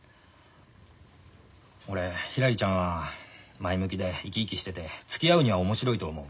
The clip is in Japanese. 俺ひらりちゃんは前向きで生き生きしててつきあうには面白いと思う。